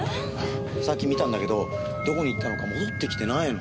さっき見たんだけどどこに行ったのか戻ってきてないの。